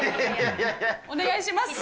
お願いします。